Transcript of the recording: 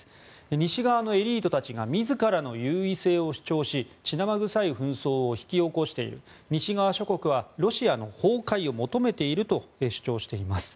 西側のエリートたちが自らの優位性を主張し血生臭い紛争を引き起こしている西側諸国はロシアの崩壊を求めていると主張しています。